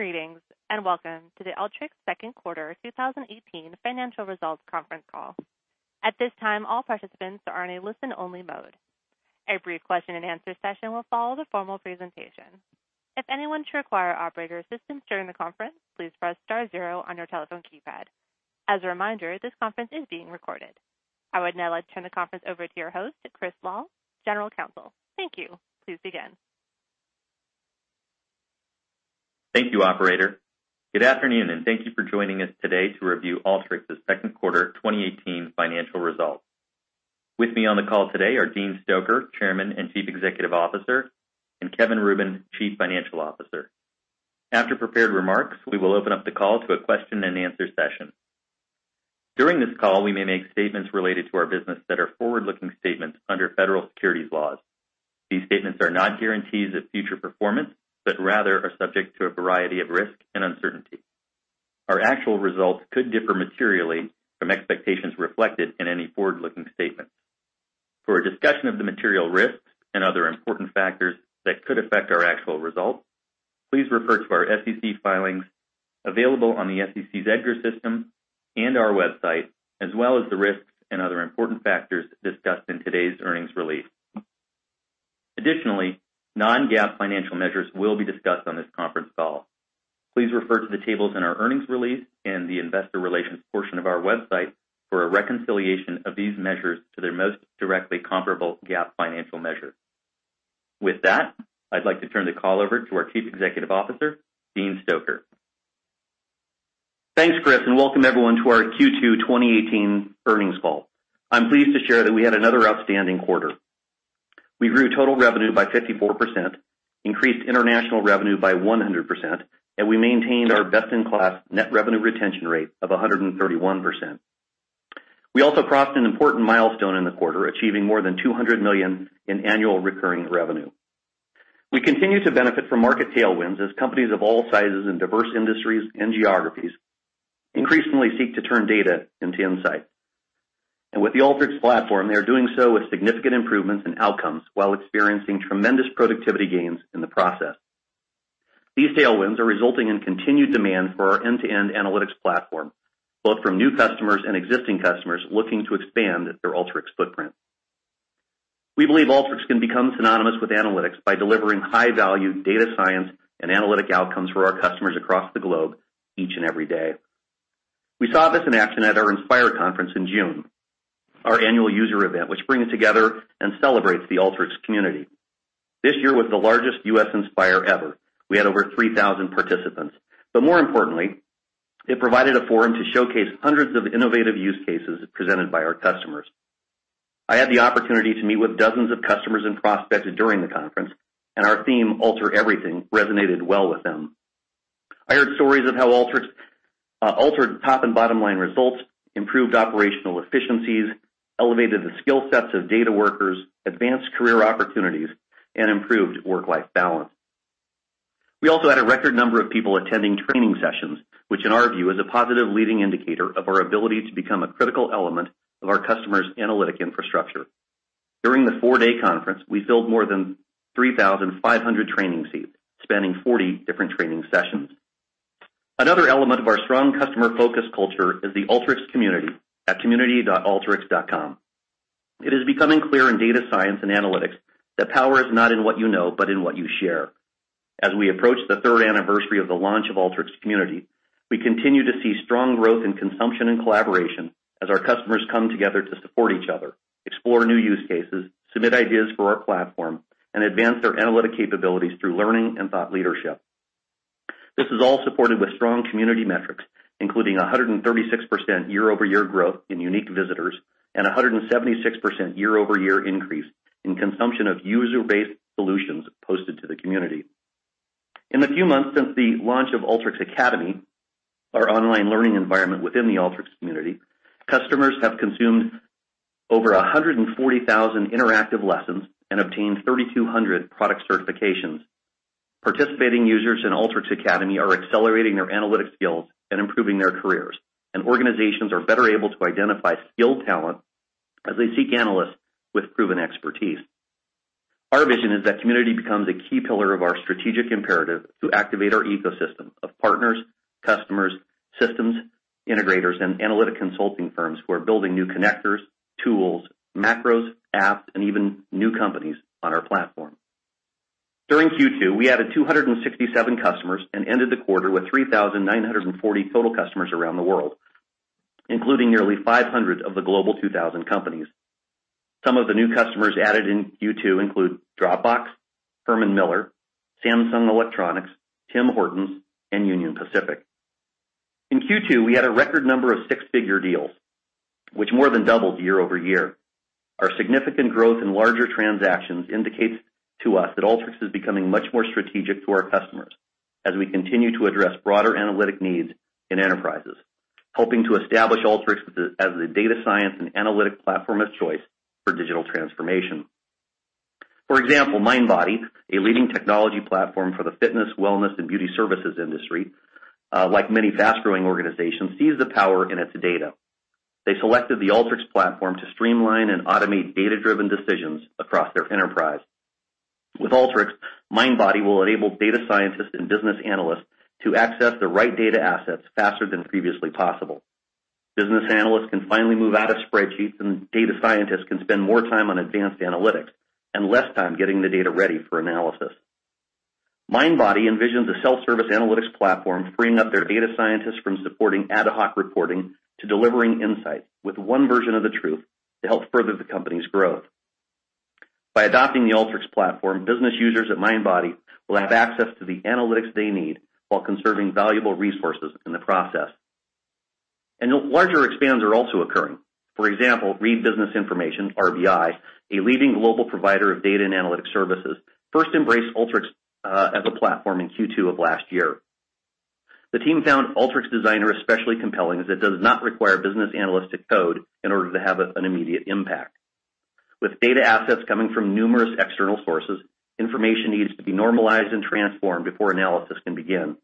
Greetings. Welcome to the Alteryx second quarter 2018 financial results conference call. At this time, all participants are in a listen-only mode. A brief question and answer session will follow the formal presentation. If anyone should require operator assistance during the conference, please press star zero on your telephone keypad. As a reminder, this conference is being recorded. I would now like to turn the conference over to your host, Chris Lal, General Counsel. Thank you. Please begin. Thank you, operator. Good afternoon. Thank you for joining us today to review Alteryx's second quarter 2018 financial results. With me on the call today are Dean Stoecker, Chairman and Chief Executive Officer, and Kevin Rubin, Chief Financial Officer. After prepared remarks, we will open up the call to a question and answer session. During this call, we may make statements related to our business that are forward-looking statements under federal securities laws. These statements are not guarantees of future performance, but rather are subject to a variety of risks and uncertainty. Our actual results could differ materially from expectations reflected in any forward-looking statements. For a discussion of the material risks and other important factors that could affect our actual results, please refer to our SEC filings available on the SEC's EDGAR system and our website, as well as the risks and other important factors discussed in today's earnings release. Additionally, non-GAAP financial measures will be discussed on this conference call. Please refer to the tables in our earnings release in the investor relations portion of our website for a reconciliation of these measures to their most directly comparable GAAP financial measure. With that, I'd like to turn the call over to our Chief Executive Officer, Dean Stoecker. Thanks, Chris. Welcome everyone to our Q2 2018 earnings call. I'm pleased to share that we had another outstanding quarter. We grew total revenue by 54%, increased international revenue by 100%, and we maintained our best-in-class net revenue retention rate of 131%. We also crossed an important milestone in the quarter, achieving more than $200 million in annual recurring revenue. We continue to benefit from market tailwinds as companies of all sizes in diverse industries and geographies increasingly seek to turn data into insight. With the Alteryx platform, they are doing so with significant improvements in outcomes while experiencing tremendous productivity gains in the process. These tailwinds are resulting in continued demand for our end-to-end analytics platform, both from new customers and existing customers looking to expand their Alteryx footprint. We believe Alteryx can become synonymous with analytics by delivering high-value data science and analytic outcomes for our customers across the globe each and every day. We saw this in action at our Inspire conference in June, our annual user event, which brings together and celebrates the Alteryx Community. This year was the largest U.S. Inspire ever. We had over 3,000 participants. More importantly, it provided a forum to showcase hundreds of innovative use cases presented by our customers. I had the opportunity to meet with dozens of customers and prospects during the conference, and our theme, Alter Everything, resonated well with them. I heard stories of how Alteryx altered top and bottom line results, improved operational efficiencies, elevated the skill sets of data workers, advanced career opportunities, and improved work-life balance. We also had a record number of people attending training sessions, which in our view is a positive leading indicator of our ability to become a critical element of our customers' analytic infrastructure. During the four-day conference, we filled more than 3,500 training seats, spanning 40 different training sessions. Another element of our strong customer-focused culture is the Alteryx Community at community.alteryx.com. It is becoming clear in data science and analytics that power is not in what you know, but in what you share. As we approach the third anniversary of the launch of Alteryx Community, we continue to see strong growth in consumption and collaboration as our customers come together to support each other, explore new use cases, submit ideas for our platform, and advance their analytic capabilities through learning and thought leadership. This is all supported with strong Community metrics, including 136% year-over-year growth in unique visitors and 176% year-over-year increase in consumption of user-based solutions posted to the Community. In the few months since the launch of Alteryx Academy, our online learning environment within the Alteryx Community, customers have consumed over 140,000 interactive lessons and obtained 3,200 product certifications. Participating users in Alteryx Academy are accelerating their analytic skills and improving their careers, and organizations are better able to identify skilled talent as they seek analysts with proven expertise. Our vision is that Community becomes a key pillar of our strategic imperative to activate our ecosystem of partners, customers, systems, integrators, and analytic consulting firms who are building new connectors, tools, macros, apps, and even new companies on our platform. During Q2, we added 267 customers and ended the quarter with 3,940 total customers around the world, including nearly 500 of the Global 2000 companies. Some of the new customers added in Q2 include Dropbox, Herman Miller, Samsung Electronics, Tim Hortons, and Union Pacific. In Q2, we had a record number of six-figure deals, which more than doubled year-over-year. Our significant growth in larger transactions indicates to us that Alteryx is becoming much more strategic to our customers as we continue to address broader analytic needs in enterprises, helping to establish Alteryx as the data science and analytic platform of choice for digital transformation. For example, Mindbody, a leading technology platform for the fitness, wellness, and beauty services industry, like many fast-growing organizations, sees the power in its data. They selected the Alteryx platform to streamline and automate data-driven decisions across their enterprise. With Alteryx, Mindbody will enable data scientists and business analysts to access the right data assets faster than previously possible. Business analysts can finally move out of spreadsheets, and data scientists can spend more time on advanced analytics and less time getting the data ready for analysis. Mindbody envisions a self-service analytics platform freeing up their data scientists from supporting ad hoc reporting to delivering insights with one version of the truth to help further the company's growth. By adopting the Alteryx platform, business users at Mindbody will have access to the analytics they need while conserving valuable resources in the process. Larger expands are also occurring. For example, Reed Business Information, RBI, a leading global provider of data and analytics services, first embraced Alteryx as a platform in Q2 of last year. The team found Alteryx Designer especially compelling, as it does not require business analysts to code in order to have an immediate impact. With data assets coming from numerous external sources, information needs to be normalized and transformed before analysis can begin.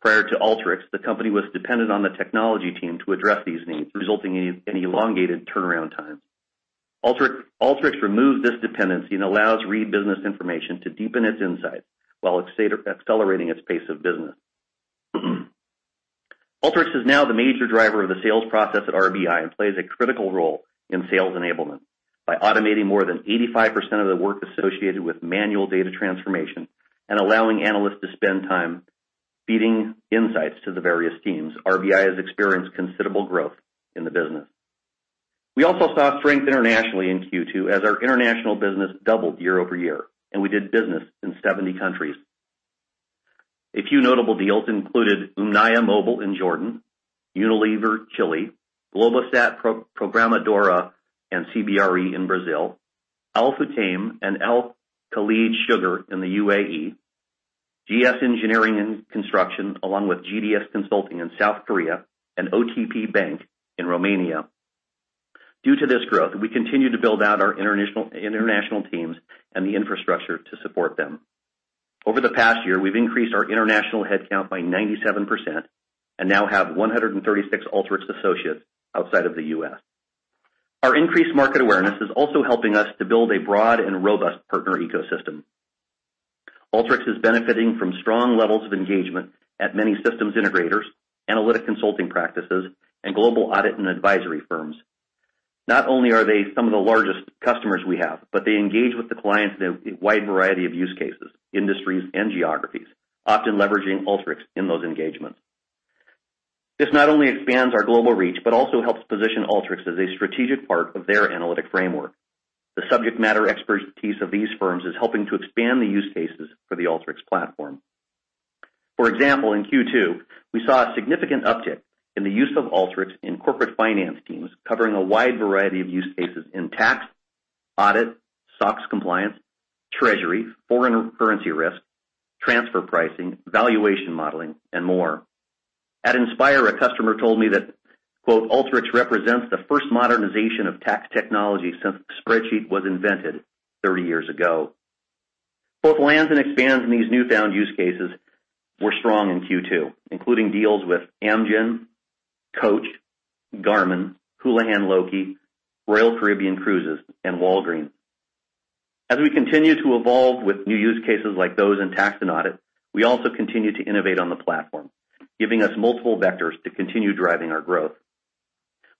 Prior to Alteryx, the company was dependent on the technology team to address these needs, resulting in elongated turnaround times. Alteryx removed this dependency and allows Reed Business Information to deepen its insight while accelerating its pace of business. Alteryx is now the major driver of the sales process at RBI and plays a critical role in sales enablement. By automating more than 85% of the work associated with manual data transformation and allowing analysts to spend time feeding insights to the various teams, RBI has experienced considerable growth in the business. We also saw strength internationally in Q2 as our international business doubled year-over-year, and we did business in 70 countries. A few notable deals included Umniah Mobile in Jordan, Unilever, Chile, Globosat Programadora and CBRE in Brazil, Al-Futtaim and Al Khaleej Sugar in the UAE, GS Engineering & Construction along with GDS Consulting in South Korea, and OTP Bank in Romania. Due to this growth, we continue to build out our international teams and the infrastructure to support them. Over the past year, we've increased our international headcount by 97% and now have 136 Alteryx associates outside of the U.S. Our increased market awareness is also helping us to build a broad and robust partner ecosystem. Alteryx is benefiting from strong levels of engagement at many systems integrators, analytic consulting practices, and global audit and advisory firms. Not only are they some of the largest customers we have, but they engage with the clients in a wide variety of use cases, industries, and geographies, often leveraging Alteryx in those engagements. This not only expands our global reach but also helps position Alteryx as a strategic part of their analytic framework. The subject matter expertise of these firms is helping to expand the use cases for the Alteryx platform. For example, in Q2, we saw a significant uptick in the use of Alteryx in corporate finance teams covering a wide variety of use cases in tax, audit, SOX compliance, treasury, foreign currency risk, transfer pricing, valuation modeling, and more. At Inspire, a customer told me that, quote, "Alteryx represents the first modernization of tax technology since the spreadsheet was invented 30 years ago." Both lands and expands in these newfound use cases were strong in Q2, including deals with Amgen, Coach, Garmin, Houlihan Lokey, Royal Caribbean Cruises, and Walgreens. As we continue to evolve with new use cases like those in tax and audit, we also continue to innovate on the platform, giving us multiple vectors to continue driving our growth.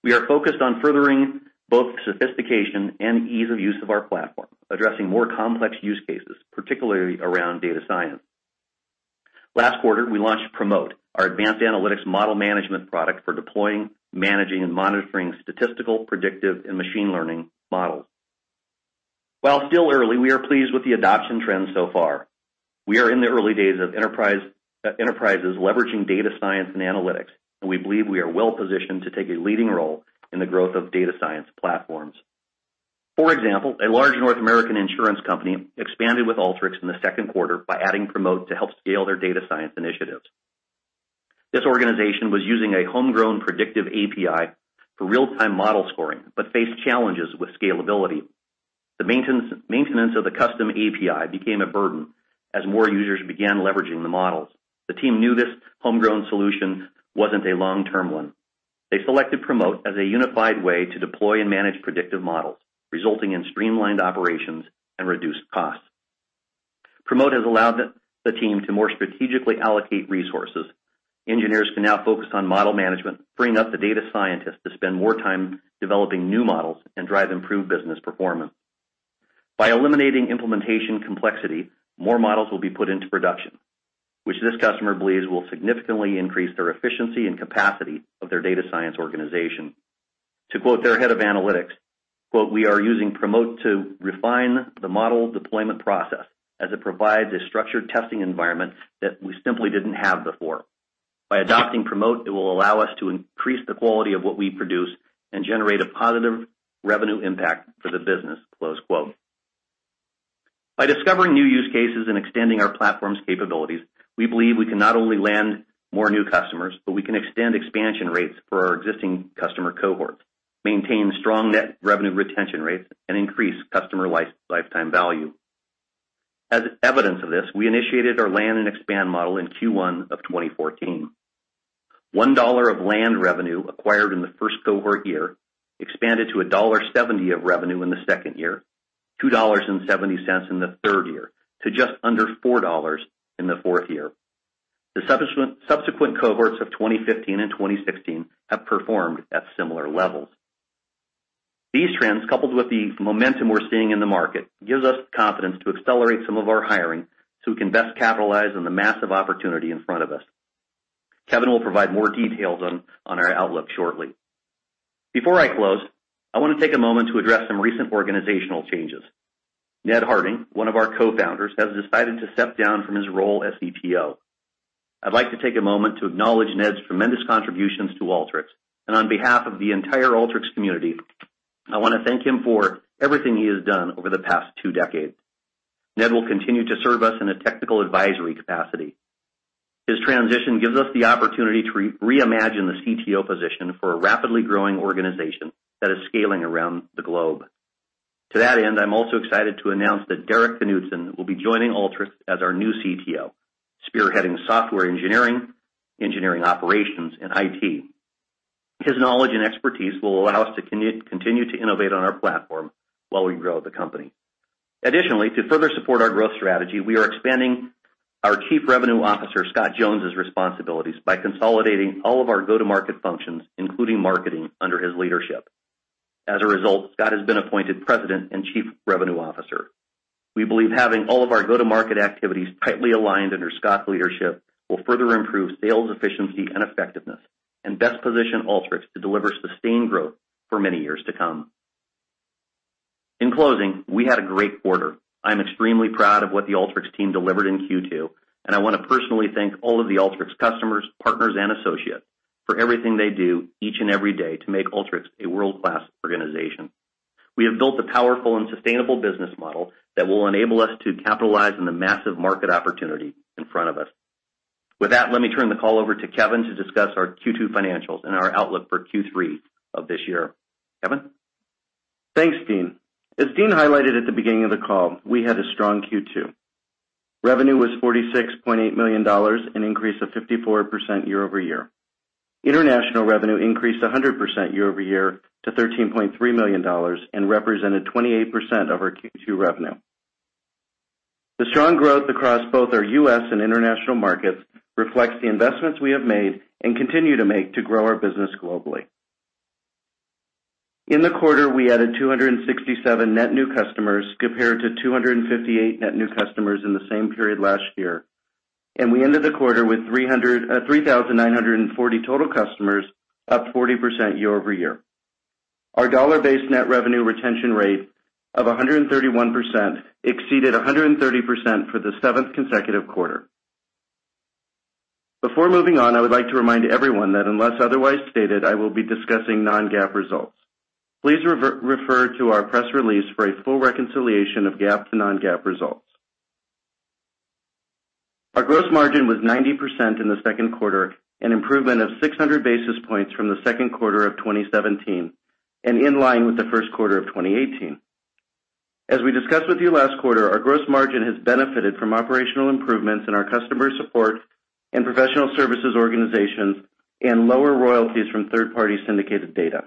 We are focused on furthering both sophistication and ease of use of our platform, addressing more complex use cases, particularly around data science. Last quarter, we launched Promote, our advanced analytics model management product for deploying, managing, and monitoring statistical, predictive, and machine learning models. While still early, we are pleased with the adoption trends so far. We are in the early days of enterprises leveraging data science and analytics, we believe we are well positioned to take a leading role in the growth of data science platforms. For example, a large North American insurance company expanded with Alteryx in the second quarter by adding Promote to help scale their data science initiatives. This organization was using a homegrown predictive API for real-time model scoring but faced challenges with scalability. The maintenance of the custom API became a burden as more users began leveraging the models. The team knew this homegrown solution wasn't a long-term one. They selected Promote as a unified way to deploy and manage predictive models, resulting in streamlined operations and reduced costs. Promote has allowed the team to more strategically allocate resources. Engineers can now focus on model management, freeing up the data scientists to spend more time developing new models and drive improved business performance. By eliminating implementation complexity, more models will be put into production, which this customer believes will significantly increase their efficiency and capacity of their data science organization. To quote their head of analytics, quote, "We are using Promote to refine the model deployment process as it provides a structured testing environment that we simply didn't have before. By adopting Promote, it will allow us to increase the quality of what we produce and generate a positive revenue impact for the business." Close quote. By discovering new use cases and extending our platform's capabilities, we believe we can not only land more new customers, but we can extend expansion rates for our existing customer cohorts, maintain strong net revenue retention rates, and increase customer lifetime value. As evidence of this, we initiated our land and expand model in Q1 of 2014. $1 of land revenue acquired in the first cohort year expanded to $1.70 of revenue in the second year, $2.70 in the third year, to just under $4 in the fourth year. The subsequent cohorts of 2015 and 2016 have performed at similar levels. These trends, coupled with the momentum we're seeing in the market, gives us confidence to accelerate some of our hiring so we can best capitalize on the massive opportunity in front of us. Kevin will provide more details on our outlook shortly. Before I close, I want to take a moment to address some recent organizational changes. Ned Harding, one of our co-founders, has decided to step down from his role as CTO. I'd like to take a moment to acknowledge Ned's tremendous contributions to Alteryx, and on behalf of the entire Alteryx Community, I want to thank him for everything he has done over the past two decades. Ned will continue to serve us in a technical advisory capacity. His transition gives us the opportunity to reimagine the CTO position for a rapidly growing organization that is scaling around the globe. To that end, I'm also excited to announce that Derek Knudsen will be joining Alteryx as our new CTO, spearheading software engineering operations, and IT. His knowledge and expertise will allow us to continue to innovate on our platform while we grow the company. Additionally, to further support our growth strategy, we are expanding our Chief Revenue Officer, Scott Jones's responsibilities by consolidating all of our go-to-market functions, including marketing, under his leadership. As a result, Scott has been appointed President and Chief Revenue Officer. We believe having all of our go-to-market activities tightly aligned under Scott's leadership will further improve sales efficiency and effectiveness and best position Alteryx to deliver sustained growth for many years to come. In closing, we had a great quarter. I'm extremely proud of what the Alteryx team delivered in Q2, and I want to personally thank all of the Alteryx customers, partners, and associates for everything they do each and every day to make Alteryx a world-class organization. We have built a powerful and sustainable business model that will enable us to capitalize on the massive market opportunity in front of us. With that, let me turn the call over to Kevin to discuss our Q2 financials and our outlook for Q3 of this year. Kevin? Thanks, Dean. As Dean highlighted at the beginning of the call, we had a strong Q2. Revenue was $46.8 million, an increase of 54% year-over-year. International revenue increased 100% year-over-year to $13.3 million and represented 28% of our Q2 revenue. The strong growth across both our U.S. and international markets reflects the investments we have made and continue to make to grow our business globally. In the quarter, we added 267 net new customers compared to 258 net new customers in the same period last year, and we ended the quarter with 3,940 total customers, up 40% year-over-year. Our dollar-based net revenue retention rate of 131% exceeded 130% for the seventh consecutive quarter. Before moving on, I would like to remind everyone that unless otherwise stated, I will be discussing non-GAAP results. Please refer to our press release for a full reconciliation of GAAP to non-GAAP results. Our gross margin was 90% in the second quarter, an improvement of 600 basis points from the second quarter of 2017 and in line with the first quarter of 2018. As we discussed with you last quarter, our gross margin has benefited from operational improvements in our customer support and professional services organizations and lower royalties from third-party syndicated data.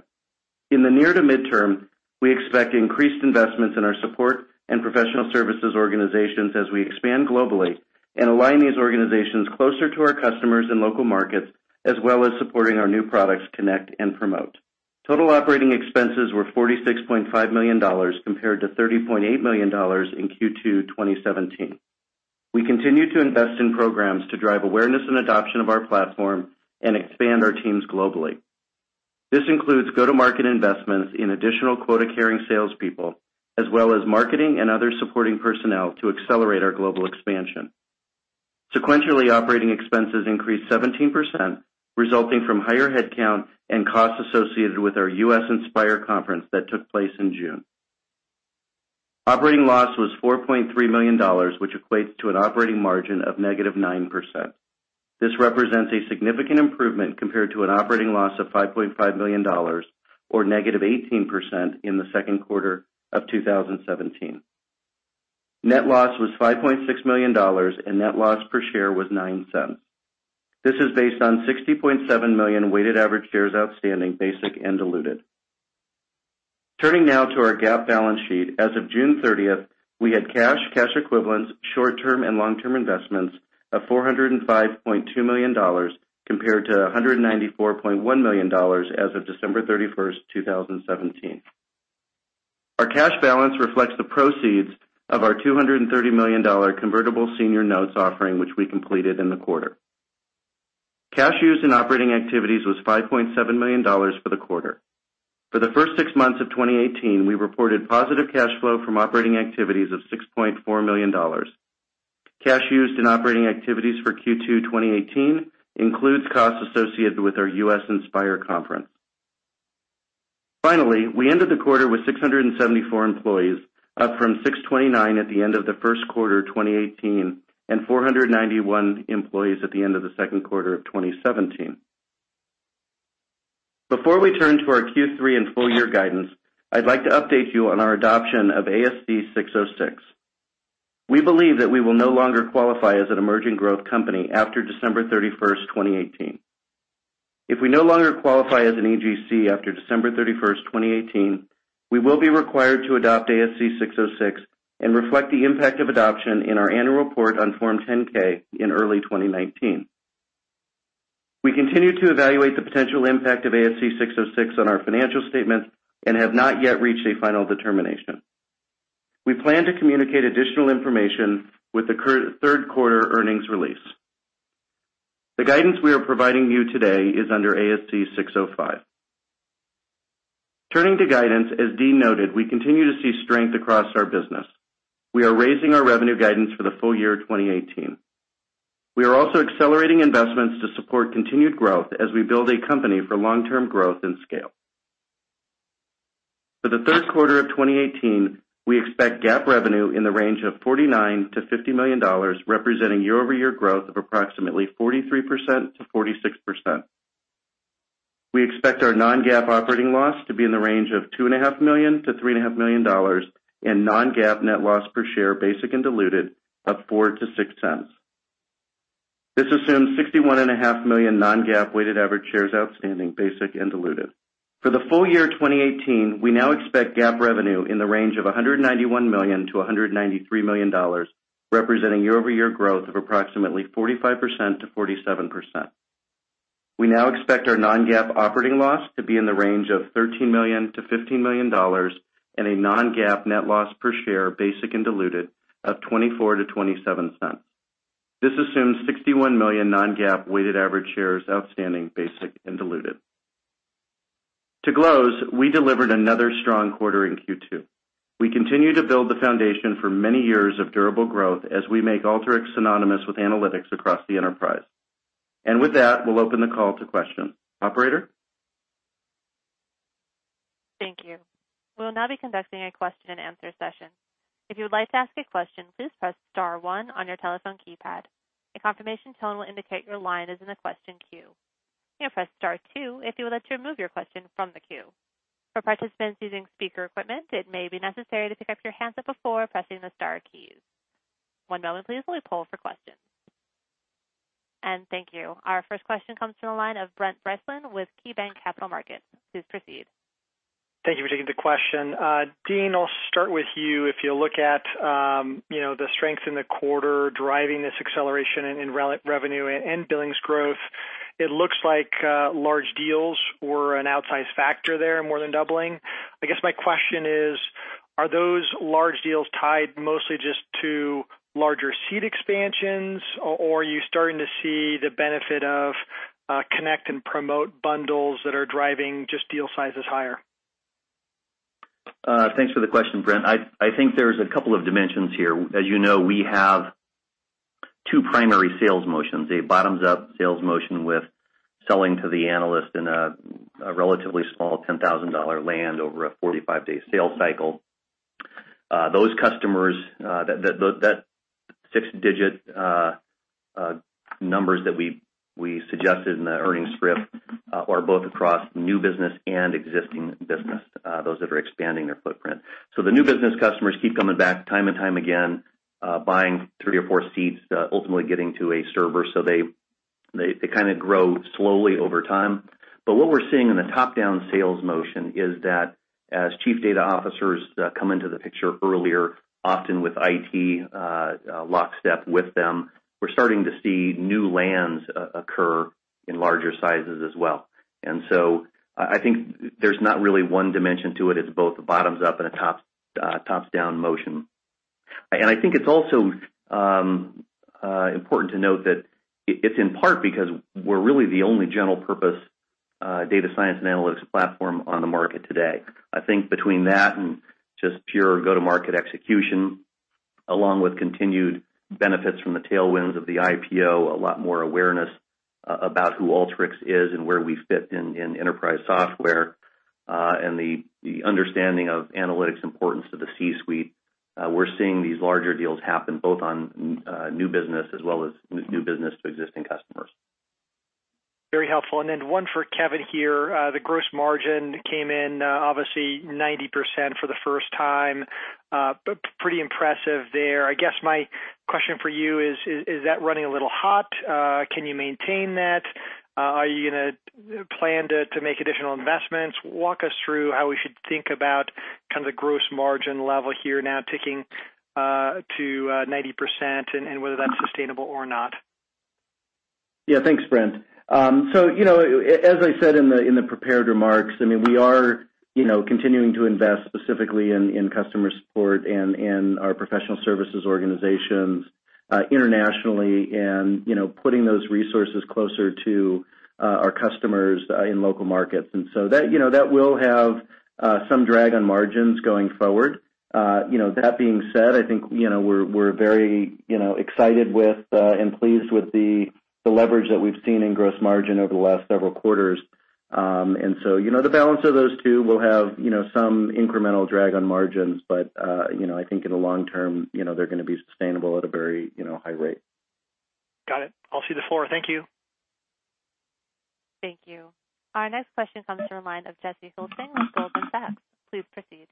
In the near to midterm, we expect increased investments in our support and professional services organizations as we expand globally and align these organizations closer to our customers and local markets, as well as supporting our new products, Connect and Promote. Total operating expenses were $46.5 million compared to $30.8 million in Q2 2017. We continue to invest in programs to drive awareness and adoption of our platform and expand our teams globally. This includes go-to-market investments in additional quota-carrying salespeople, as well as marketing and other supporting personnel to accelerate our global expansion. Sequentially, operating expenses increased 17%, resulting from higher headcount and costs associated with our U.S. Inspire Conference that took place in June. Operating loss was $4.3 million, which equates to an operating margin of negative 9%. This represents a significant improvement compared to an operating loss of $5.5 million or negative 18% in the second quarter of 2017. Net loss was $5.6 million, and net loss per share was $0.09. This is based on 60.7 million weighted average shares outstanding, basic and diluted. Turning now to our GAAP balance sheet. As of June 30th, we had cash equivalents, short-term and long-term investments of $405.2 million compared to $194.1 million as of December 31st, 2017. Our cash balance reflects the proceeds of our $230 million convertible senior notes offering, which we completed in the quarter. Cash used in operating activities was $5.7 million for the quarter. For the first six months of 2018, we reported positive cash flow from operating activities of $6.4 million. Cash used in operating activities for Q2 2018 includes costs associated with our U.S. Inspire Conference. Finally, we ended the quarter with 674 employees, up from 629 at the end of the first quarter 2018 and 491 employees at the end of the second quarter of 2017. Before we turn to our Q3 and full-year guidance, I'd like to update you on our adoption of ASC 606. We believe that we will no longer qualify as an emerging growth company after December 31st, 2018. If we no longer qualify as an EGC after December 31st, 2018, we will be required to adopt ASC 606 and reflect the impact of adoption in our annual report on Form 10-K in early 2019. We continue to evaluate the potential impact of ASC 606 on our financial statements and have not yet reached a final determination. We plan to communicate additional information with the third-quarter earnings release. The guidance we are providing you today is under ASC 605. Turning to guidance, as Dean noted, we continue to see strength across our business. We are raising our revenue guidance for the full year 2018. We are also accelerating investments to support continued growth as we build a company for long-term growth and scale. For the third quarter of 2018, we expect GAAP revenue in the range of $49 million-$50 million, representing year-over-year growth of approximately 43%-46%. We expect our non-GAAP operating loss to be in the range of $2.5 million-$3.5 million, and non-GAAP net loss per share, basic and diluted, of $0.04-$0.06. This assumes 61.5 million non-GAAP weighted average shares outstanding, basic and diluted. For the full year 2018, we now expect GAAP revenue in the range of $191 million-$193 million, representing year-over-year growth of approximately 45%-47%. We now expect our non-GAAP operating loss to be in the range of $13 million-$15 million, and a non-GAAP net loss per share, basic and diluted, of $0.24-$0.27. This assumes 61 million non-GAAP weighted average shares outstanding, basic and diluted. To close, we delivered another strong quarter in Q2. We continue to build the foundation for many years of durable growth as we make Alteryx synonymous with analytics across the enterprise. With that, we'll open the call to questions. Operator? Thank you. We'll now be conducting a question and answer session. If you would like to ask a question, please press *1 on your telephone keypad. A confirmation tone will indicate your line is in the question queue. You may press *2 if you would like to remove your question from the queue. For participants using speaker equipment, it may be necessary to pick up your handset before pressing the star keys. One moment please while we poll for questions. Thank you. Our first question comes from the line of Brent Bracelin with KeyBanc Capital Markets. Please proceed. Thank you for taking the question. Dean, I'll start with you. If you look at the strength in the quarter driving this acceleration in revenue and billings growth, it looks like large deals were an outsized factor there, more than doubling. I guess my question is, are those large deals tied mostly just to larger seat expansions, or are you starting to see the benefit of connect and promote bundles that are driving just deal sizes higher? Thanks for the question, Brent. I think there's a couple of dimensions here. As you know, we have two primary sales motions, a bottoms-up sales motion with selling to the analyst in a relatively small $10,000 land over a 45-day sales cycle. Those customers, that six-digit numbers that we suggested in the earnings script are both across new business and existing business, those that are expanding their footprint. The new business customers keep coming back time and time again, buying three or four seats, ultimately getting to a server. What we're seeing in the top-down sales motion is that as Chief Data Officers come into the picture earlier, often with IT lockstep with them, we're starting to see new lands occur in larger sizes as well. I think there's not really one dimension to it. It's both a bottoms-up and a tops-down motion. I think it's also important to note that it's in part because we're really the only general-purpose data science and analytics platform on the market today. I think between that and just pure go-to-market execution, along with continued benefits from the tailwinds of the IPO, a lot more awareness about who Alteryx is and where we fit in enterprise software, and the understanding of analytics importance to the C-suite. We're seeing these larger deals happen both on new business as well as new business to existing customers. Very helpful. Then one for Kevin here. The gross margin came in obviously 90% for the first time. Pretty impressive there. I guess my question for you is that running a little hot? Can you maintain that? Are you going to plan to make additional investments? Walk us through how we should think about kind of the gross margin level here now ticking to 90% and whether that's sustainable or not. Yeah, thanks, Brent. As I said in the prepared remarks, we are continuing to invest specifically in customer support and our professional services organizations internationally and putting those resources closer to our customers in local markets. That will have some drag on margins going forward. That being said, I think we're very excited with and pleased with the leverage that we've seen in gross margin over the last several quarters. The balance of those two will have some incremental drag on margins, but I think in the long term, they're going to be sustainable at a very high rate. Got it. I'll cede the floor. Thank you. Thank you. Our next question comes from the line of Jesse Hulsing with Goldman Sachs. Please proceed.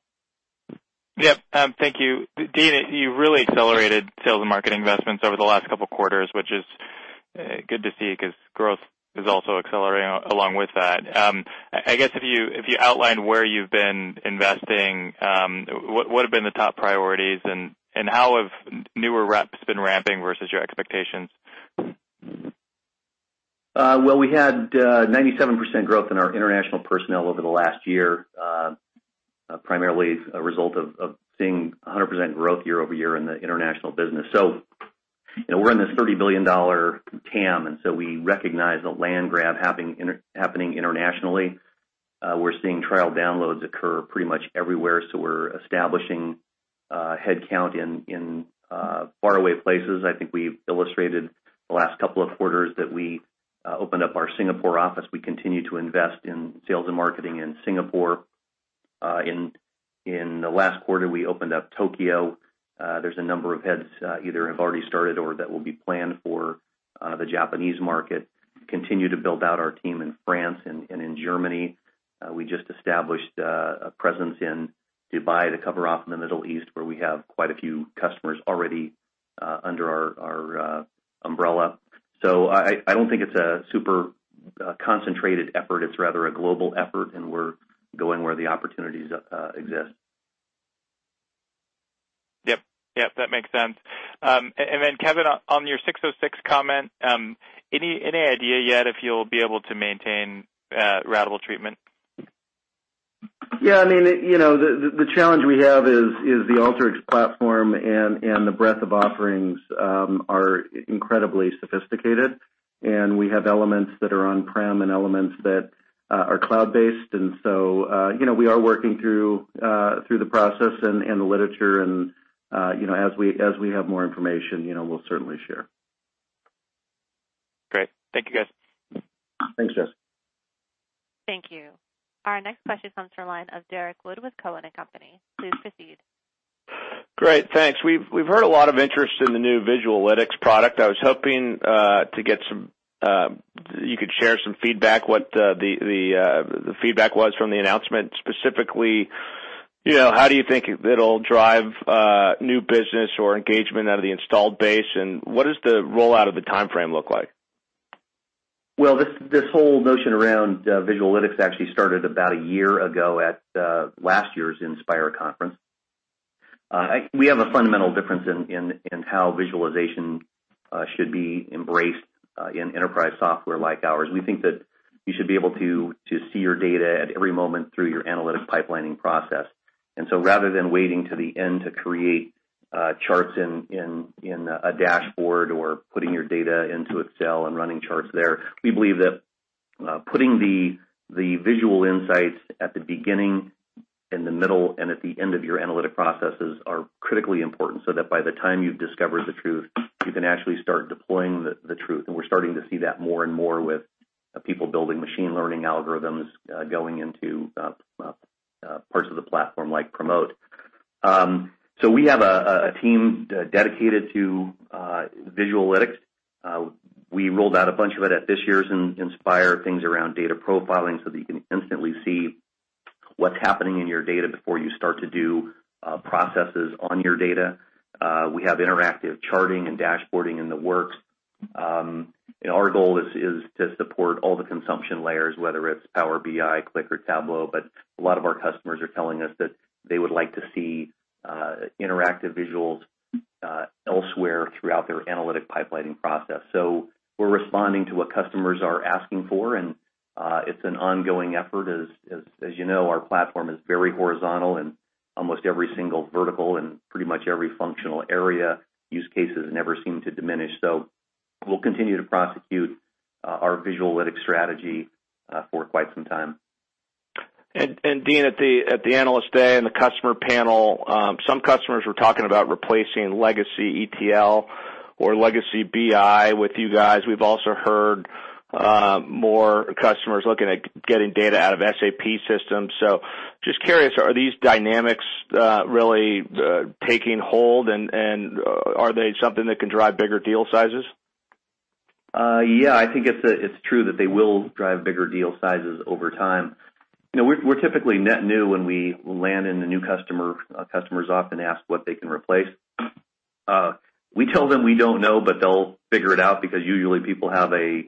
Yep. Thank you. Dean, you really accelerated sales and marketing investments over the last couple of quarters, which is good to see because growth is also accelerating along with that. I guess if you outline where you've been investing, what have been the top priorities and how have newer reps been ramping versus your expectations? We had 97% growth in our international personnel over the last year, primarily a result of seeing 100% growth year-over-year in the international business. We're in this $30 billion TAM, we recognize the land grab happening internationally. We're seeing trial downloads occur pretty much everywhere, we're establishing headcount in faraway places. I think we've illustrated the last couple of quarters that we opened up our Singapore office. We continue to invest in sales and marketing in Singapore. In the last quarter, we opened up Tokyo. There's a number of heads either have already started or that will be planned for the Japanese market. Continue to build out our team in France and in Germany. We just established a presence in Dubai to cover off in the Middle East, where we have quite a few customers already under our umbrella. I don't think it's a super concentrated effort. It's rather a global effort, and we're going where the opportunities exist. Yep. That makes sense. Kevin, on your ASC 606 comment, any idea yet if you'll be able to maintain ratable treatment? Yeah, the challenge we have is the Alteryx platform and the breadth of offerings are incredibly sophisticated, and we have elements that are on-prem and elements that are cloud-based. We are working through the process and the literature and as we have more information, we'll certainly share. Great. Thank you, guys. Thanks, Jesse. Thank you. Our next question comes from the line of Derrick Wood with Cowen and Company. Please proceed. Great. Thanks. We've heard a lot of interest in the new Visualytics product. I was hoping you could share some feedback, what the feedback was from the announcement, specifically, how do you think it'll drive new business or engagement out of the installed base, and what does the rollout of the timeframe look like? Well, this whole notion around Visualytics actually started about a year ago at last year's Inspire Conference. We have a fundamental difference in how visualization should be embraced in enterprise software like ours. We think that you should be able to see your data at every moment through your analytic pipelining process. Rather than waiting to the end to create charts in a dashboard or putting your data into Excel and running charts there, we believe that putting the visual insights at the beginning, in the middle, and at the end of your analytic processes are critically important, so that by the time you've discovered the truth, you can actually start deploying the truth. We're starting to see that more and more with people building machine learning algorithms, going into parts of the platform like Promote. We have a team dedicated to Visualytics. We rolled out a bunch of it at this year's Inspire, things around data profiling so that you can instantly see what's happening in your data before you start to do processes on your data. We have interactive charting and dashboarding in the works. Our goal is to support all the consumption layers, whether it's Power BI, Qlik or Tableau, a lot of our customers are telling us that they would like to see interactive visuals elsewhere throughout their analytic pipelining process. We're responding to what customers are asking for, and it's an ongoing effort. As you know, our platform is very horizontal in almost every single vertical and pretty much every functional area. Use cases never seem to diminish. We'll continue to prosecute our Visualytics strategy for quite some time. Dean, at the Analyst Day and the customer panel, some customers were talking about replacing legacy ETL or legacy BI with you guys. We've also heard more customers looking at getting data out of SAP systems. Just curious, are these dynamics really taking hold and are they something that can drive bigger deal sizes? Yeah, I think it's true that they will drive bigger deal sizes over time. We're typically net new when we land in the new customer. Customers often ask what they can replace. We tell them we don't know, but they'll figure it out because usually people have a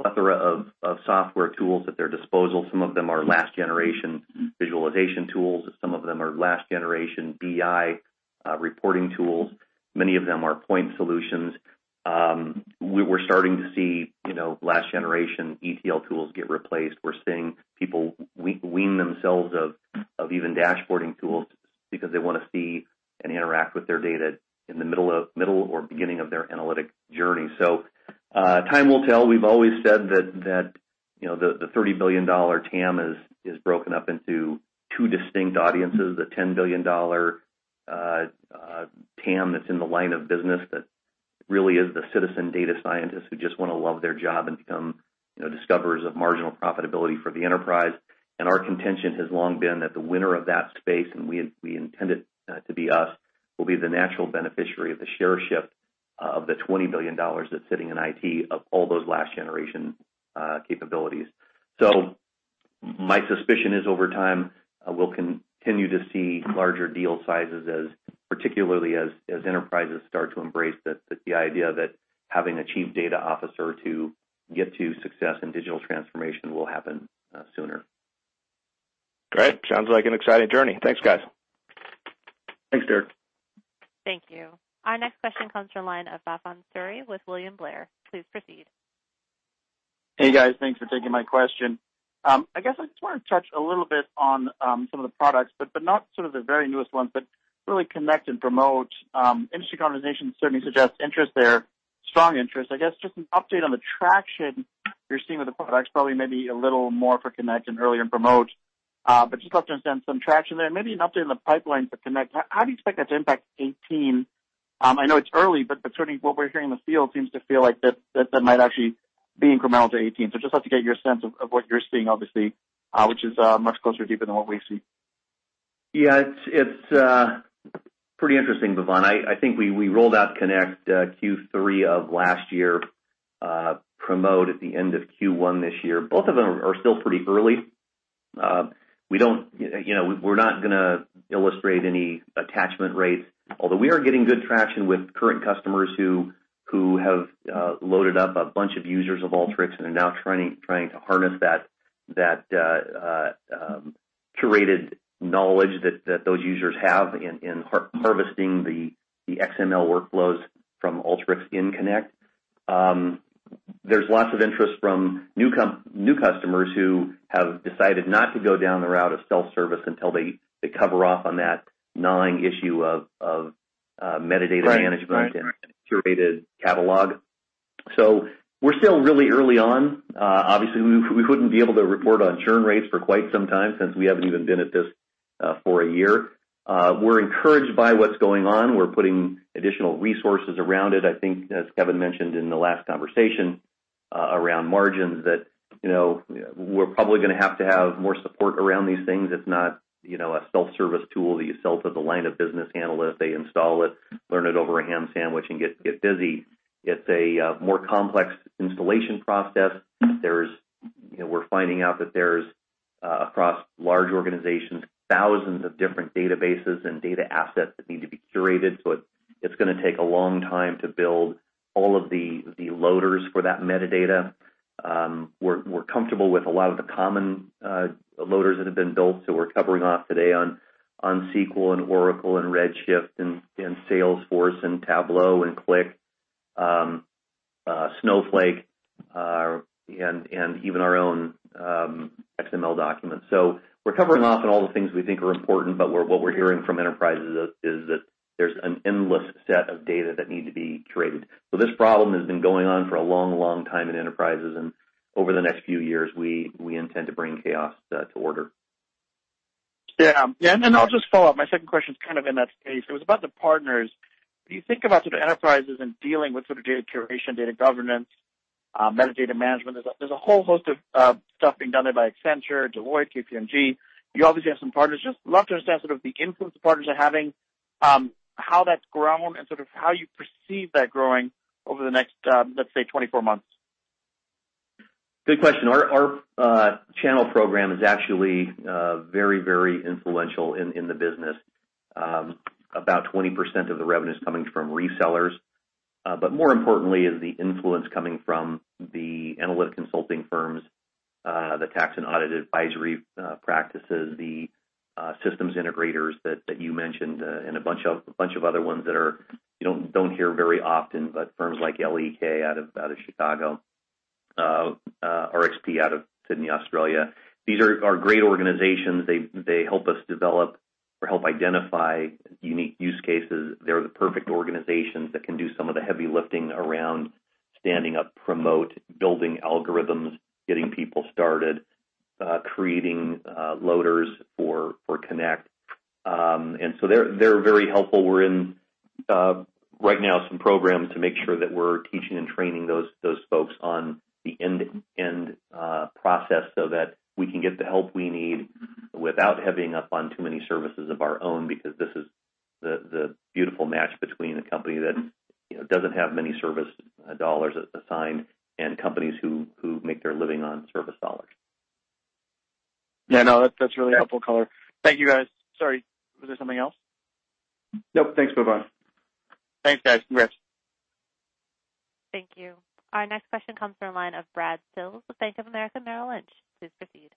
plethora of software tools at their disposal. Some of them are last generation visualization tools. Some of them are last generation BI reporting tools. Many of them are point solutions. We're starting to see last generation ETL tools get replaced. We're seeing people wean themselves of even dashboarding tools because they want to see and interact with their data in the middle or beginning of their analytic journey. Time will tell. We've always said that the $30 billion TAM is broken up into two distinct audiences, the $10 billion TAM that's in the line of business that really is the citizen data scientist who just want to love their job and become discoverers of marginal profitability for the enterprise. Our contention has long been that the winner of that space, and we intend it to be us, will be the natural beneficiary of the share shift of the $20 billion that's sitting in IT of all those last generation capabilities. My suspicion is over time, we'll continue to see larger deal sizes, particularly as enterprises start to embrace the idea that having a Chief Data Officer to get to success in digital transformation will happen sooner. Great. Sounds like an exciting journey. Thanks, guys. Thanks, Derrick. Thank you. Our next question comes from the line of Bhavan Suri with William Blair. Please proceed. Hey, guys. Thanks for taking my question. I guess I just wanted to touch a little bit on some of the products, but not sort of the very newest ones, but really Alteryx Connect and Alteryx Promote. Industry conversation certainly suggests interest there, strong interest. I guess just an update on the traction you're seeing with the products, probably maybe a little more for Alteryx Connect and earlier in Alteryx Promote. Just love to understand some traction there and maybe an update on the pipeline for Alteryx Connect. How do you expect that to impact 2018? I know it's early, but certainly what we're hearing in the field seems to feel like that might actually be incremental to 2018. Just love to get your sense of what you're seeing obviously, which is much closer, deeper than what we see. Yeah. It's pretty interesting, Bhavan. I think I rolled out Alteryx Connect Q3 of last year, Alteryx Promote at the end of Q1 this year. Both of them are still pretty early. We're not going to illustrate any attachment rates, although we are getting good traction with current customers who have loaded up a bunch of users of Alteryx and are now trying to harness that curated knowledge that those users have in harvesting the XML workflows from Alteryx in Alteryx Connect. There's lots of interest from new customers who have decided not to go down the route of self-service until they cover off on that gnawing issue of metadata management. Right and curated catalog. We're still really early on. Obviously, we wouldn't be able to report on churn rates for quite some time since we haven't even been at this for a year. We're encouraged by what's going on. We're putting additional resources around it. I think, as Kevin mentioned in the last conversation, around margins that we're probably going to have to have more support around these things. It's not a self-service tool that you sell to the line of business analyst. They install it, learn it over a ham sandwich, and get busy. It's a more complex installation process. We're finding out that there's, across large organizations, thousands of different databases and data assets that need to be curated. It's going to take a long time to build all of the loaders for that metadata. We're comfortable with a lot of the common loaders that have been built, we're covering off today on SQL and Oracle and Redshift and Salesforce and Tableau and Qlik, Snowflake, and even our own XML documents. We're covering off on all the things we think are important, but what we're hearing from enterprises is that there's an endless set of data that need to be curated. This problem has been going on for a long time in enterprises, and over the next few years, we intend to bring chaos to order. Yeah. I'll just follow up. My second question is kind of in that space. It was about the partners. When you think about sort of enterprises and dealing with sort of data curation, data governance, metadata management, there's a whole host of stuff being done there by Accenture, Deloitte, KPMG. You obviously have some partners. Just love to understand sort of the influence the partners are having, how that's grown, and sort of how you perceive that growing over the next, let's say, 24 months. Good question. Our channel program is actually very influential in the business. About 20% of the revenue's coming from resellers. More importantly is the influence coming from the analytic consulting firms, the tax and audit advisory practices, the systems integrators that you mentioned, and a bunch of other ones that you don't hear very often, but firms like L.E.K. out of Chicago, RXP out of Sydney, Australia. These are great organizations. They help us develop or help identify unique use cases. They're the perfect organizations that can do some of the heavy lifting around standing up Promote, building algorithms, getting people started, creating loaders for Connect. They're very helpful. We're in, right now, some programs to make sure that we're teaching and training those folks on the end-to-end process so that we can get the help we need without heavying up on too many services of our own, because this is the beautiful match between a company that doesn't have many service dollars assigned and companies who make their living on service dollars. Yeah, no, that's really helpful color. Thank you, guys. Sorry, was there something else? Nope. Thanks, Bhavan. Thanks, guys. Congrats. Thank you. Our next question comes from the line of Brad Sills with Bank of America Merrill Lynch. Please proceed.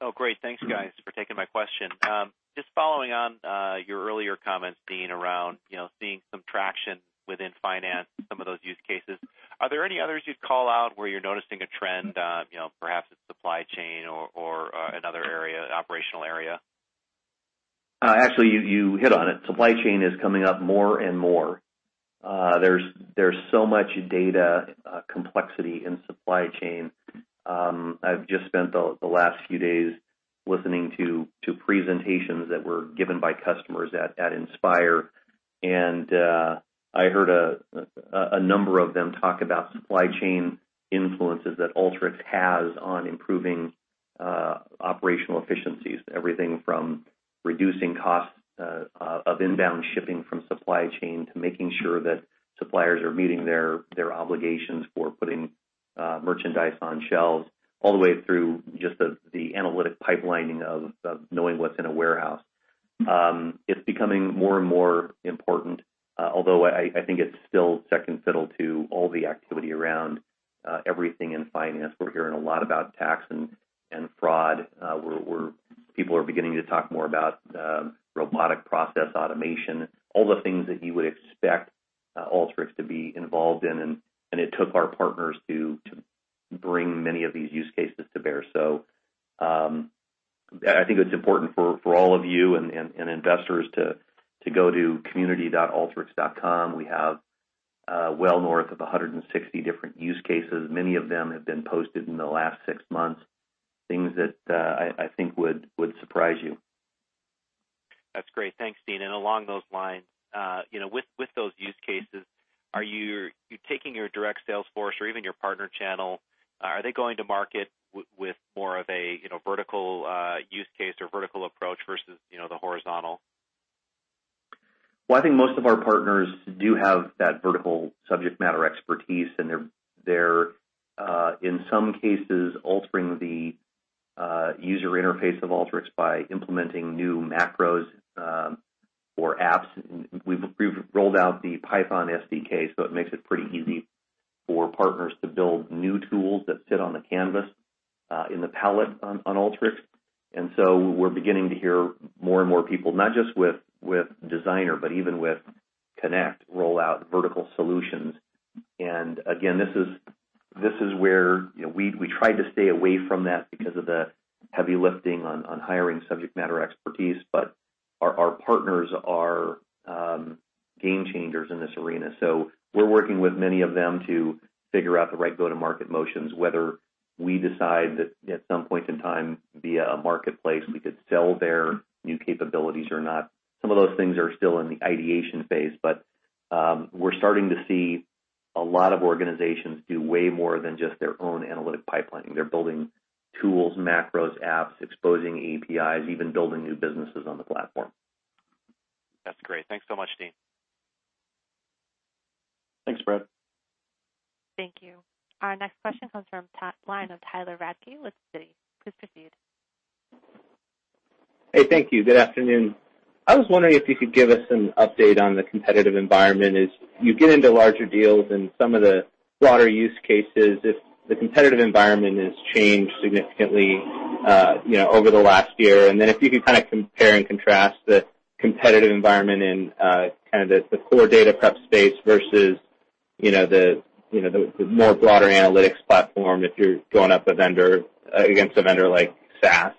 Oh, great. Thanks, guys, for taking my question. Just following on your earlier comments, Dean, around seeing some traction within finance, some of those use cases. Are there any others you'd call out where you're noticing a trend, perhaps in supply chain or another area, operational area? Actually, you hit on it. Supply chain is coming up more and more. There's so much data complexity in supply chain. I've just spent the last few days listening to presentations that were given by customers at Inspire. I heard a number of them talk about supply chain influences that Alteryx has on improving operational efficiencies. Everything from reducing costs of inbound shipping from supply chain to making sure that suppliers are meeting their obligations for putting merchandise on shelves, all the way through just the analytic pipelining of knowing what's in a warehouse. It's becoming more and more important, although I think it's still second fiddle to all the activity around everything in finance. We're hearing a lot about tax and fraud. People are beginning to talk more about robotic process automation, all the things that you would expect Alteryx to be involved in. It took our partners to bring many of these use cases to bear. I think it's important for all of you and investors to go to community.alteryx.com. We have well north of 160 different use cases. Many of them have been posted in the last six months, things that I think would surprise you. That's great. Thanks, Dean. Along those lines, with those use cases, are you taking your direct sales force or even your partner channel, are they going to market with more of a vertical use case or vertical approach versus the horizontal? Well, I think most of our partners do have that vertical subject matter expertise, and they're, in some cases, altering the user interface of Alteryx by implementing new macros or apps. We've rolled out the Python SDK, so it makes it pretty easy for partners to build new tools that sit on the canvas in the palette on Alteryx. We're beginning to hear more and more people, not just with Designer, but even with Connect, roll out vertical solutions. Again, this is where we tried to stay away from that because of the heavy lifting on hiring subject matter expertise. Our partners are game changers in this arena. We're working with many of them to figure out the right go-to-market motions, whether we decide that at some point in time, via a marketplace, we could sell their new capabilities or not. Some of those things are still in the ideation phase. We're starting to see a lot of organizations do way more than just their own analytic pipelining. They're building tools, macros, apps, exposing APIs, even building new businesses on the platform. That's great. Thanks so much, Dean. Thanks, Brad. Thank you. Our next question comes from the line of Tyler Radke with Citi. Please proceed. Hey, thank you. Good afternoon. I was wondering if you could give us an update on the competitive environment as you get into larger deals and some of the broader use cases, if the competitive environment has changed significantly over the last year. If you could kind of compare and contrast the competitive environment in kind of the core data prep space versus the more broader analytics platform, if you're going up against a vendor like SAS.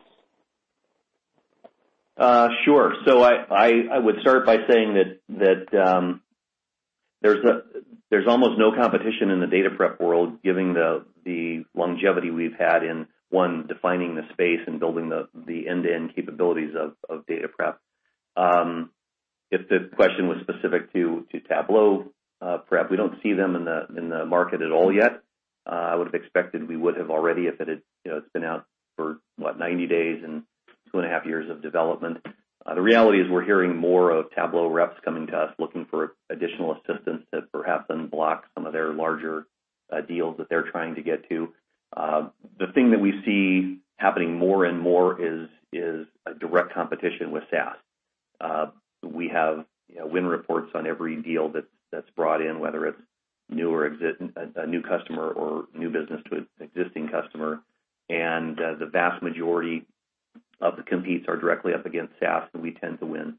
Sure. I would start by saying that there's almost no competition in the data prep world, given the longevity we've had in, one, defining the space and building the end-to-end capabilities of data prep. If the question was specific to Tableau Prep, we don't see them in the market at all yet. I would have expected we would have already if it had been out for, what, 90 days and two and a half years of development. The reality is we're hearing more of Tableau reps coming to us looking for additional assistance to perhaps unblock some of their larger deals that they're trying to get to. The thing that we see happening more and more is a direct competition with SAS. We have win reports on every deal that's brought in, whether it's a new customer or new business to an existing customer. The vast majority of the competes are directly up against SAS, and we tend to win.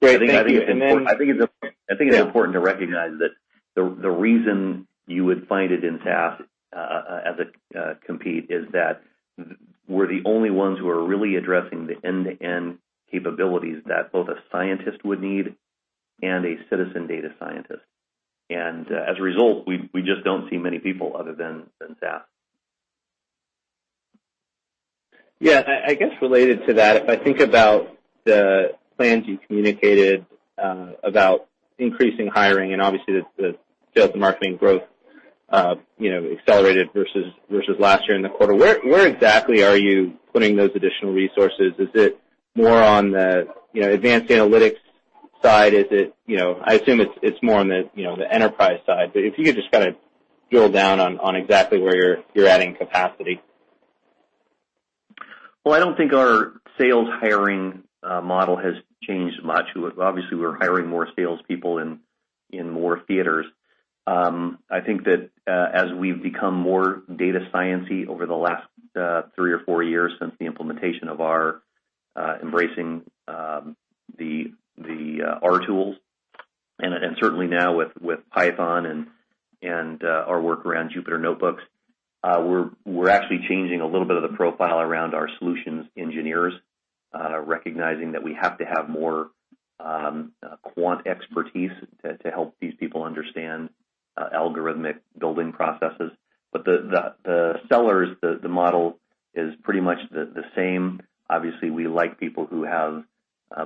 Great. Thank you. I think it's important to recognize that the reason you would find it in SAS as a compete is that we're the only ones who are really addressing the end-to-end capabilities that both a scientist would need and a citizen data scientist. As a result, we just don't see many people other than SAS. I guess related to that, if I think about the plans you communicated about increasing hiring, obviously the sales and marketing growth accelerated versus last year in the quarter, where exactly are you putting those additional resources? Is it more on the advanced analytics side? I assume it's more on the enterprise side. If you could just kind of drill down on exactly where you're adding capacity. I don't think our sales hiring model has changed much. Obviously, we're hiring more salespeople in more theaters. I think that as we've become more data sciencey over the last three or four years since the implementation of our embracing the R tools, and certainly now with Python and our work around Jupyter notebooks, we're actually changing a little bit of the profile around our solutions engineers Recognizing that we have to have more quant expertise to help these people understand algorithmic building processes. The sellers, the model is pretty much the same. Obviously, we like people who have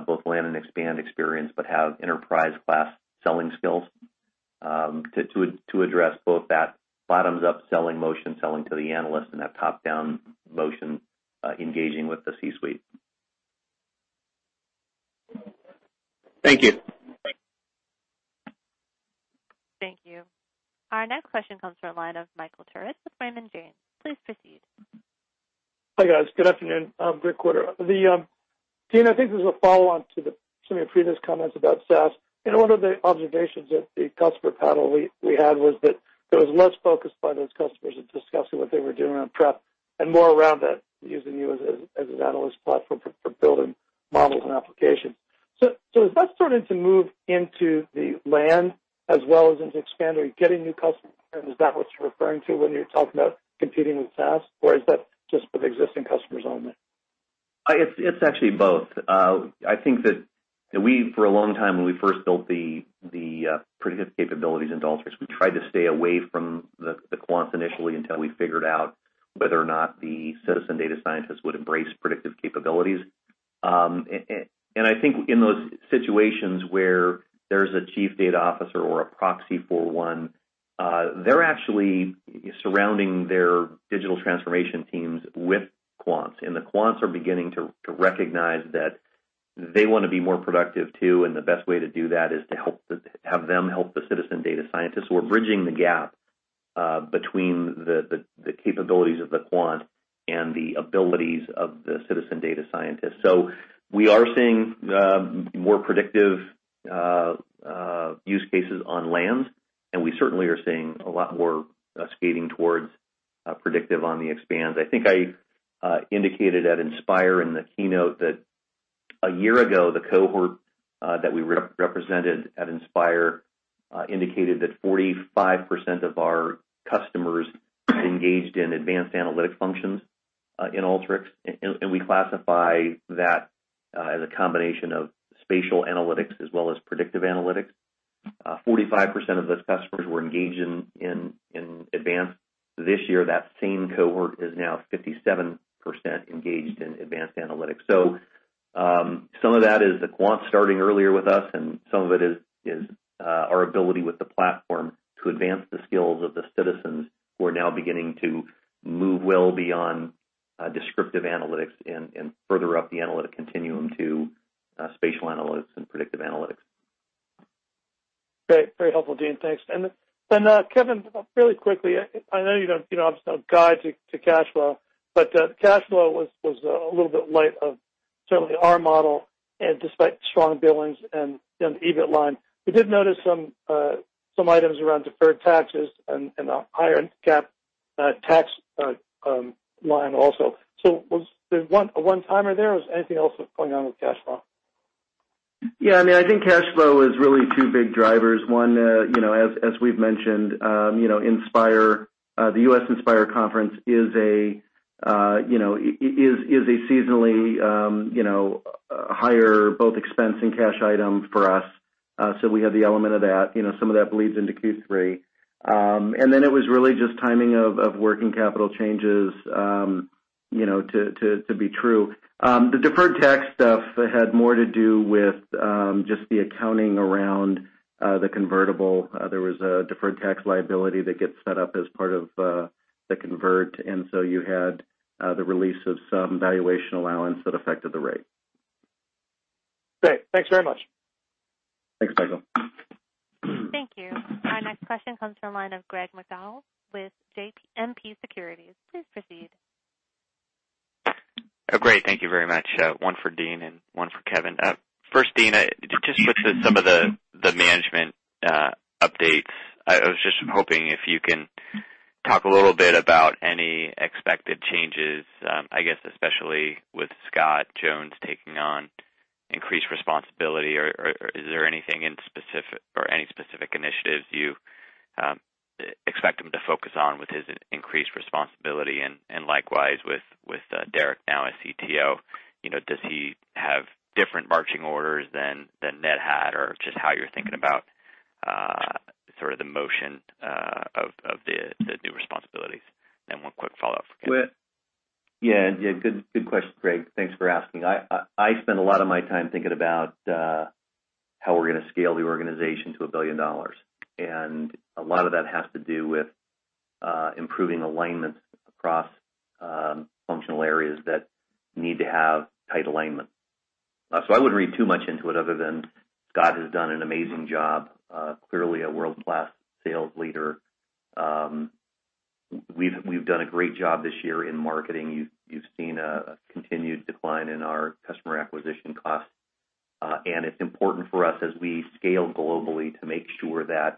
both land and expand experience, but have enterprise class selling skills to address both that bottoms-up selling motion, selling to the analyst and that top-down motion, engaging with the C-suite. Thank you. Thank you. Our next question comes from the line of Michael Turits with Raymond James. Please proceed. Hi, guys. Good afternoon. Great quarter. Dean, I think this is a follow-on to some of your previous comments about SAS. One of the observations that the customer panel we had was that there was less focus by those customers in discussing what they were doing around prep and more around that using you as an analyst platform for building models and applications. Has that started to move into the land as well as into expand? Are you getting new customers, and is that what you're referring to when you're talking about competing with SAS? Or is that just with existing customers only? It's actually both. I think that we, for a long time, when we first built the predictive capabilities into Alteryx, we tried to stay away from the quants initially until we figured out whether or not the citizen data scientists would embrace predictive capabilities. I think in those situations where there's a Chief Data Officer or a proxy for one, they're actually surrounding their digital transformation teams with quants, and the quants are beginning to recognize that they want to be more productive, too, and the best way to do that is to have them help the citizen data scientists. We're bridging the gap between the capabilities of the quant and the abilities of the citizen data scientists. We are seeing more predictive use cases on land, and we certainly are seeing a lot more skating towards predictive on the expands. I think I indicated at Inspire in the keynote that a year ago, the cohort that we represented at Inspire indicated that 45% of our customers engaged in advanced analytic functions in Alteryx, and we classify that as a combination of spatial analytics as well as predictive analytics. 45% of those customers were engaged in advance this year. That same cohort is now 57% engaged in advanced analytics. Some of that is the quant starting earlier with us, and some of it is our ability with the platform to advance the skills of the citizens who are now beginning to move well beyond descriptive analytics and further up the analytic continuum to spatial analytics and predictive analytics. Great. Very helpful, Dean. Thanks. Kevin, really quickly, I know you don't obviously have a guide to cash flow, but cash flow was a little bit light of certainly our model. Despite strong billings and EBIT line, we did notice some items around deferred taxes and a higher GAAP tax line also. Was there a one-timer there, or was there anything else that was going on with cash flow? I think cash flow is really two big drivers. One, as we've mentioned, the U.S. Inspire Conference is a seasonally higher both expense and cash item for us. Some of that bleeds into Q3. It was really just timing of working capital changes to be true. The deferred tax stuff had more to do with just the accounting around the convertible. There was a deferred tax liability that gets set up as part of the convert, and you had the release of some valuation allowance that affected the rate. Great. Thanks very much. Thanks, Michael. Thank you. Our next question comes from the line of Greg McDowell with JMP Securities. Please proceed. Great. Thank you very much. One for Dean and one for Kevin. First, Dean, just with some of the management updates, I was just hoping if you can talk a little bit about any expected changes, especially with Scott Jones taking on increased responsibility, or is there anything in specific or any specific initiatives you expect him to focus on with his increased responsibility? Likewise with Derek now as CTO, does he have different marching orders than Ned had? Just how you're thinking about sort of the motion of the new responsibilities. One quick follow-up for Kevin. Good question, Greg. Thanks for asking. I spend a lot of my time thinking about how we're going to scale the organization to $1 billion, a lot of that has to do with improving alignment across functional areas that need to have tight alignment. I wouldn't read too much into it other than Scott has done an amazing job. Clearly a world-class sales leader. We've done a great job this year in marketing. You've seen a continued decline in our customer acquisition costs. It's important for us as we scale globally to make sure that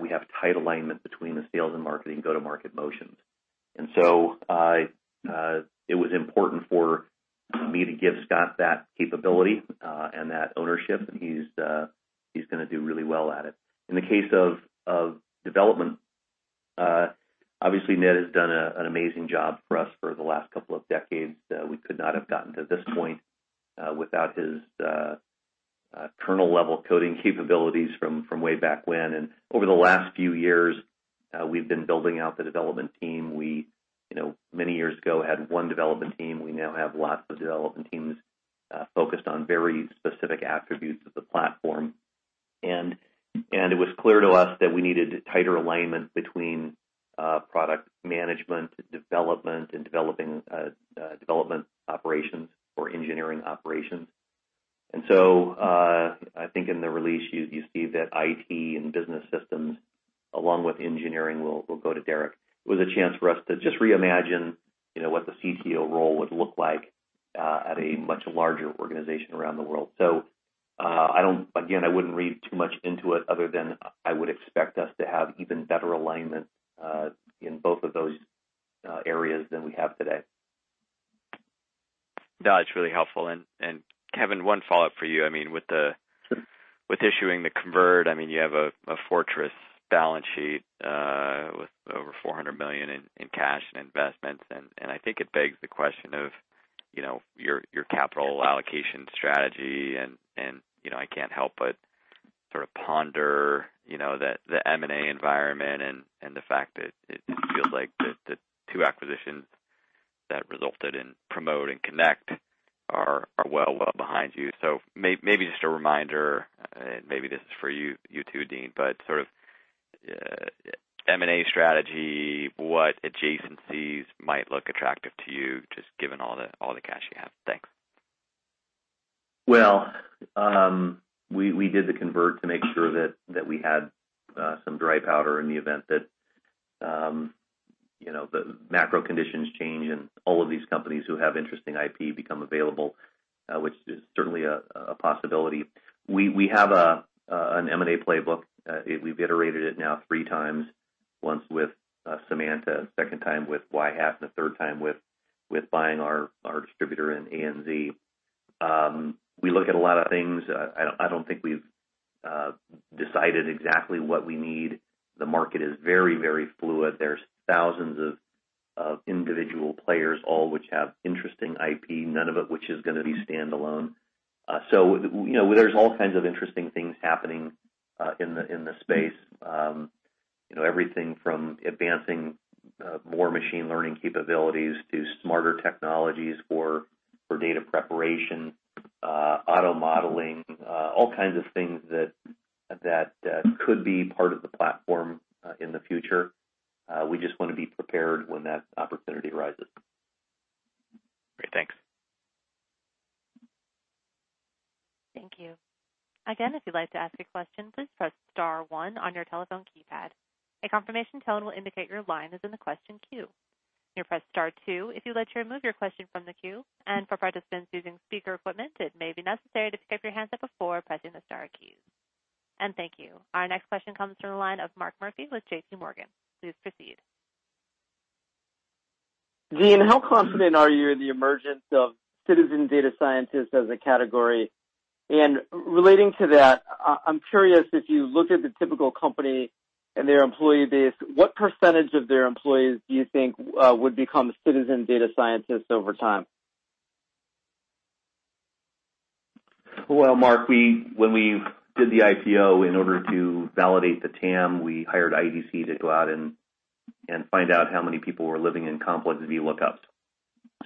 we have tight alignment between the sales and marketing go-to-market motions. It was important for me to give Scott that capability and that ownership, and he's going to do really well at it. In the case of development Obviously, Ned has done an amazing job for us for the last couple of decades. We could not have gotten to this point without his kernel-level coding capabilities from way back when. Over the last few years, we've been building out the development team. We, many years ago, had one development team. We now have lots of development teams focused on very specific attributes of the platform. It was clear to us that we needed tighter alignment between product management, development, and development operations or engineering operations. I think in the release, you see that IT and business systems, along with engineering, will go to Derek. It was a chance for us to just reimagine what the CTO role would look like at a much larger organization around the world. Again, I wouldn't read too much into it other than I would expect us to have even better alignment, in both of those areas than we have today. That's really helpful. Kevin, one follow-up for you. With issuing the convert, you have a fortress balance sheet, with over $400 million in cash and investments. I think it begs the question of your capital allocation strategy, and I can't help but sort of ponder the M&A environment and the fact that it feels like the two acquisitions that resulted in Promote and Connect are well behind you. Maybe just a reminder, maybe this is for you too, Dean, but sort of M&A strategy, what adjacencies might look attractive to you, just given all the cash you have. Thanks. We did the convert to make sure that we had some dry powder in the event that the macro conditions change, and all of these companies who have interesting IP become available, which is certainly a possibility. We have an M&A playbook. We've iterated it now 3 times, once with Semanta, second time with Yhat, and the third time with buying our distributor in ANZ. We look at a lot of things. I don't think we've decided exactly what we need. The market is very fluid. There's thousands of individual players, all which have interesting IP, none of it which is going to be standalone. There's all kinds of interesting things happening in the space. Everything from advancing more machine learning capabilities to smarter technologies for data preparation, auto-modeling, all kinds of things that could be part of the platform in the future. We just want to be prepared when that opportunity arises. Great. Thanks. Thank you. Again, if you'd like to ask a question, please press *1 on your telephone keypad. A confirmation tone will indicate your line is in the question queue. You'll press *2 if you'd like to remove your question from the queue, for participants using speaker equipment, it may be necessary to pick up your handset before pressing the star keys. Thank you. Our next question comes from the line of Mark Murphy with JPMorgan. Please proceed. Dean, how confident are you in the emergence of citizen data scientists as a category? Relating to that, I'm curious if you look at the typical company and their employee base, what % of their employees do you think would become citizen data scientists over time? Well, Mark, when we did the IPO, in order to validate the TAM, we hired IDC to go out and find out how many people were living in complex VLOOKUPs.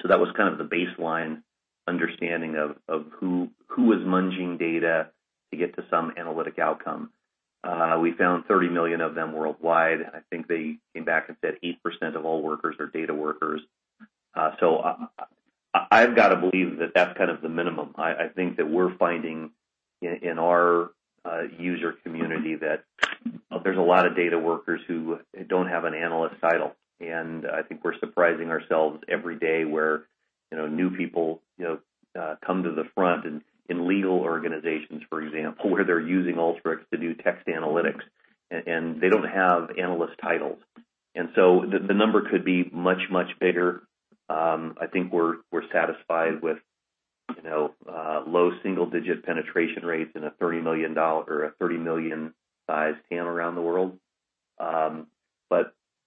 That was kind of the baseline understanding of who was munging data to get to some analytic outcome. We found 30 million of them worldwide. I think they came back and said 8% of all workers are data workers. I've got to believe that that's kind of the minimum. I think that we're finding in our user community that there's a lot of data workers who don't have an analyst title. I think we're surprising ourselves every day where new people come to the front in legal organizations, for example, where they're using Alteryx to do text analytics, and they don't have analyst titles. The number could be much, much bigger. I think we're satisfied with low single-digit penetration rates in a 30 million size TAM around the world.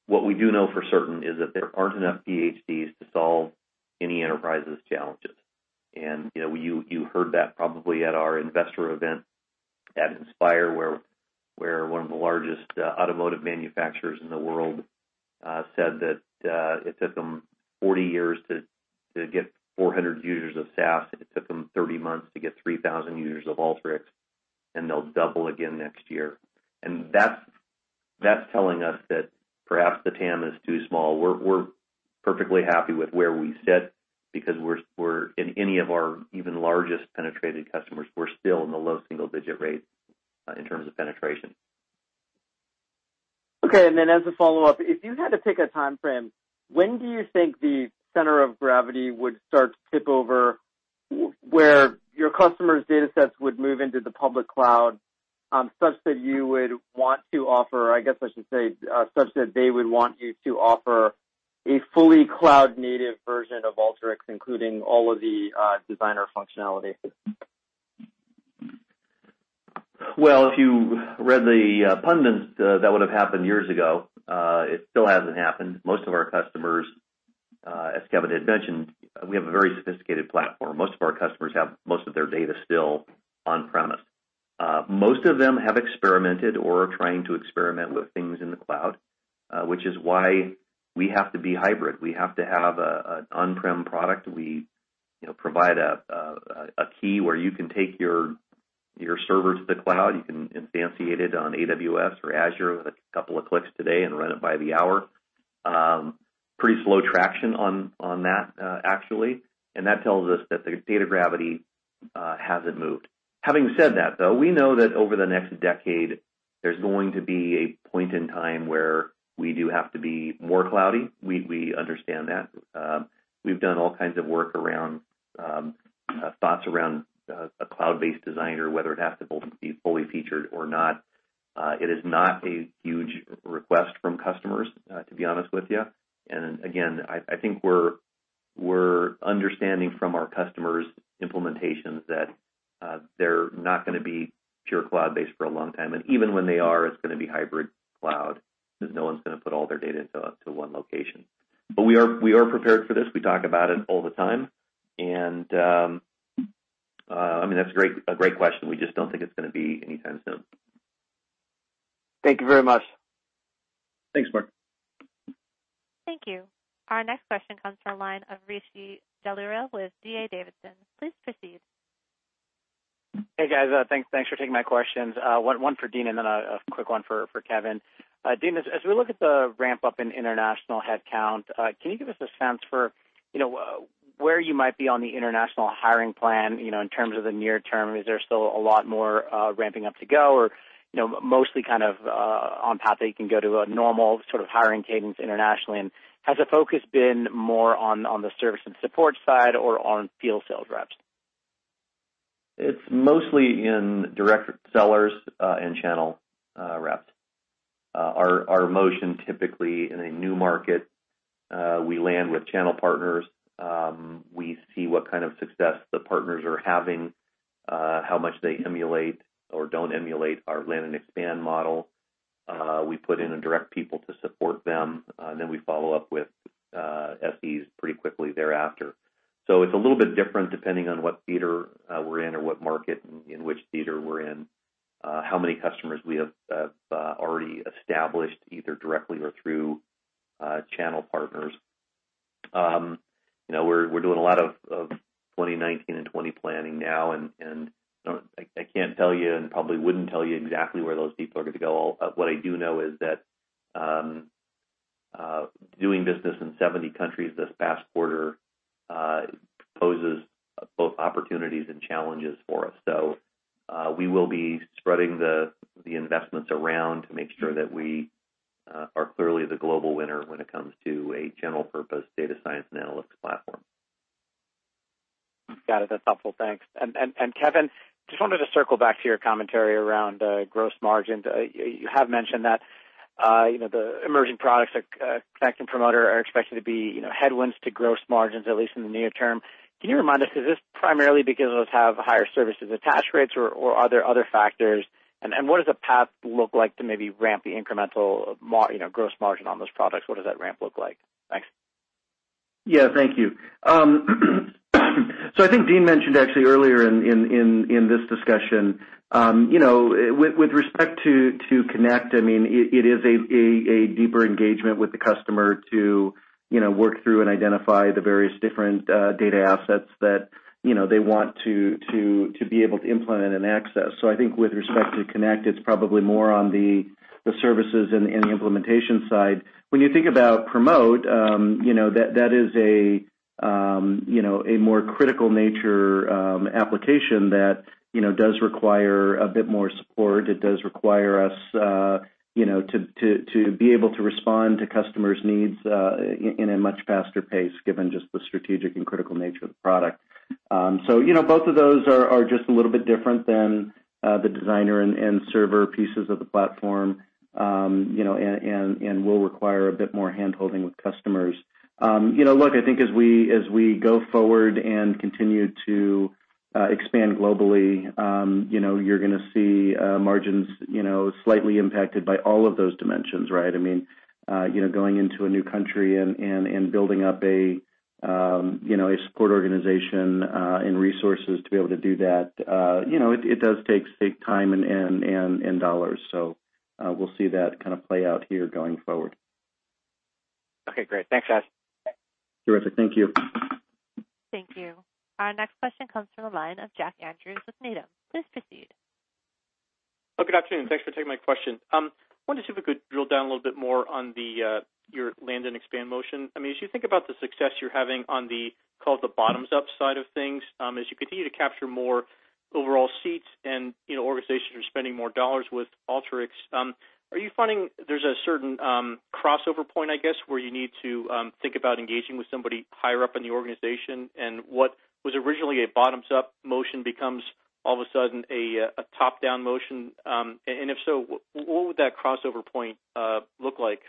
What we do know for certain is that there aren't enough PhDs to solve any enterprise's challenges. You heard that probably at our investor event at Inspire, where one of the largest automotive manufacturers in the world said that it took them 40 years to get 400 users of SAS. It took them 30 months to get 3,000 users of Alteryx, and they'll double again next year. That's telling us that perhaps the TAM is too small. We're perfectly happy with where we sit because in any of our even largest penetrated customers, we're still in the low single-digit rates in terms of penetration. Okay. As a follow-up, if you had to pick a timeframe, when do you think the center of gravity would start to tip over where your customers' data sets would move into the public cloud, such that you would want to offer, I guess I should say, such that they would want you to offer a fully cloud-native version of Alteryx, including all of the Designer functionality? Well, if you read the pundits, that would have happened years ago. It still hasn't happened. Most of our customers, as Kevin had mentioned, we have a very sophisticated platform. Most of our customers have most of their data still on-premise. Most of them have experimented or are trying to experiment with things in the cloud, which is why we have to be hybrid. We have to have an on-prem product. We provide a key where you can take your server to the cloud. You can instantiate it on AWS or Azure with a couple of clicks today and run it by the hour. Pretty slow traction on that, actually, and that tells us that the data gravity hasn't moved. Having said that, though, we know that over the next decade, there's going to be a point in time where we do have to be more cloudy. We understand that. Again, I think we're understanding from our customers' implementations that they're not going to be pure cloud-based for a long time. Even when they are, it's going to be hybrid cloud, because no one's going to put all their data into one location. We are prepared for this. We talk about it all the time. That's a great question. We just don't think it's going to be anytime soon. Thank you very much. Thanks, Mark. Thank you. Our next question comes from the line of Rishi Jaluria with D.A. Davidson. Please proceed. Hey, guys. Thanks for taking my questions. One for Dean, then a quick one for Kevin. Dean, as we look at the ramp-up in international headcount, can you give us a sense for where you might be on the international hiring plan, in terms of the near term? Is there still a lot more ramping up to go or mostly on path that you can go to a normal sort of hiring cadence internationally? Has the focus been more on the service and support side or on field sales reps? It's mostly in direct sellers and channel reps. Our motion typically in a new market, we land with channel partners. We see what kind of success the partners are having, how much they emulate or don't emulate our land and expand model. We put in direct people to support them, then we follow up with SEs pretty quickly thereafter. It's a little bit different depending on what theater we're in or what market in which theater we're in, how many customers we have already established, either directly or through channel partners. We're doing a lot of 2019 and 2020 planning now, I can't tell you, and probably wouldn't tell you exactly where those people are going to go. What I do know is that doing business in 70 countries this past quarter poses both opportunities and challenges for us. We will be spreading the investments around to make sure that we are clearly the global winner when it comes to a general-purpose data science and analytics platform. Got it. That's helpful. Thanks. Kevin, just wanted to circle back to your commentary around gross margins. You have mentioned that the emerging products like Connect and Promote are expected to be headwinds to gross margins, at least in the near term. Can you remind us, is this primarily because those have higher services attach rates, or are there other factors? What does the path look like to maybe ramp the incremental gross margin on those products? What does that ramp look like? Thanks. Yeah. Thank you. I think Dean mentioned actually earlier in this discussion, with respect to Connect, it is a deeper engagement with the customer to work through and identify the various different data assets that they want to be able to implement and access. I think with respect to Connect, it's probably more on the services and the implementation side. When you think about Promote, that is a more critical nature application that does require a bit more support. It does require us to be able to respond to customers' needs in a much faster pace, given just the strategic and critical nature of the product. Both of those are just a little bit different than the Designer and Server pieces of the platform, and will require a bit more hand-holding with customers. Look, I think as we go forward and continue to expand globally, you're going to see margins slightly impacted by all of those dimensions, right? Going into a new country and building up a support organization and resources to be able to do that, it does take time and dollars. We'll see that kind of play out here going forward. Okay, great. Thanks, guys. Terrific. Thank you. Thank you. Our next question comes from the line of Jack Andrews with Needham. Please proceed. Good afternoon. Thanks for taking my question. I wonder if you could drill down a little bit more on your land and expand motion. As you think about the success you're having on the, call it the bottoms-up side of things, as you continue to capture more overall seats and organizations are spending more dollars with Alteryx, are you finding there's a certain crossover point, I guess, where you need to think about engaging with somebody higher up in the organization? What was originally a bottoms-up motion becomes all of a sudden a top-down motion, and if so, what would that crossover point look like?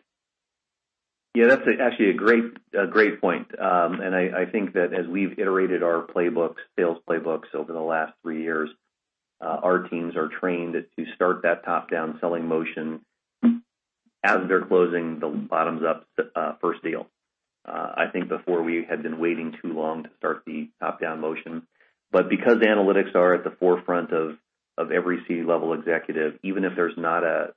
Yeah, that's actually a great point. I think that as we've iterated our sales playbooks over the last three years, our teams are trained to start that top-down selling motion as they're closing the bottoms-up first deal. I think before, we had been waiting too long to start the top-down motion. Because analytics are at the forefront of every C-level executive, even if there's not a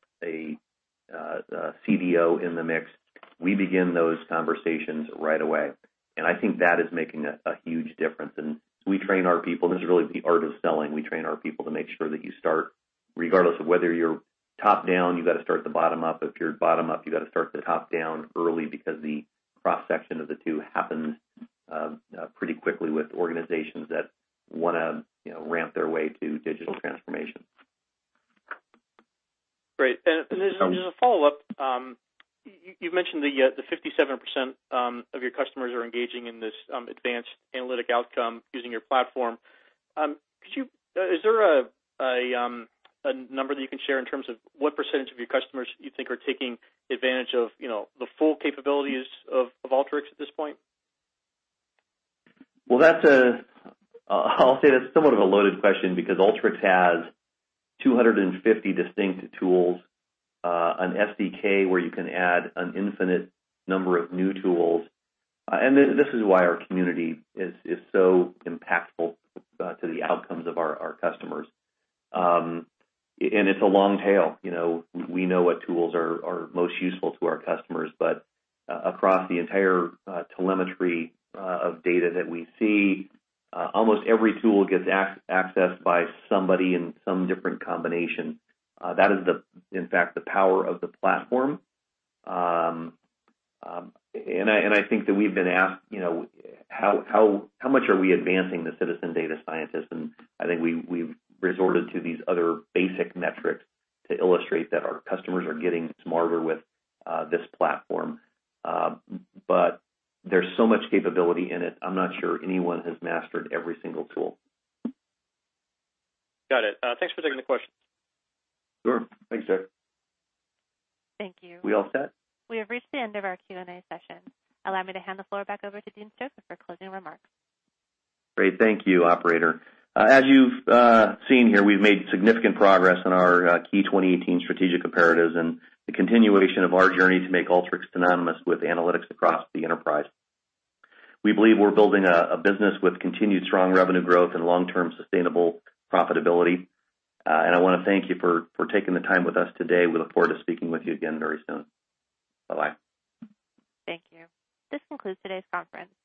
CDO in the mix, we begin those conversations right away. I think that is making a huge difference. We train our people, this is really the art of selling. We train our people to make sure that you start, regardless of whether you're top-down, you've got to start the bottom up. If you're bottom up, you've got to start the top down early because the cross-section of the two happens pretty quickly with organizations that want to ramp their way to digital transformation. Great. As a follow-up, you've mentioned the 57% of your customers are engaging in this advanced analytic outcome using your platform. Is there a number that you can share in terms of what percentage of your customers you think are taking advantage of the full capabilities of Alteryx at this point? Well, I'll say that's somewhat of a loaded question because Alteryx has 250 distinct tools, an SDK where you can add an infinite number of new tools. This is why our Community is so impactful to the outcomes of our customers. It's a long tail. We know what tools are most useful to our customers, but across the entire telemetry of data that we see, almost every tool gets accessed by somebody in some different combination. That is in fact the power of the platform. I think that we've been asked, how much are we advancing the citizen data scientist? I think we've resorted to these other basic metrics to illustrate that our customers are getting smarter with this platform. There's so much capability in it, I'm not sure anyone has mastered every single tool. Got it. Thanks for taking the question. Sure. Thanks, Jack. Thank you. We all set? We have reached the end of our Q&A session. Allow me to hand the floor back over to Dean Stoecker for closing remarks. Great. Thank you, operator. As you've seen here, we've made significant progress on our key 2018 strategic imperatives and the continuation of our journey to make Alteryx synonymous with analytics across the enterprise. We believe we're building a business with continued strong revenue growth and long-term sustainable profitability. I want to thank you for taking the time with us today. We look forward to speaking with you again very soon. Bye-bye. Thank you. This concludes today's conference.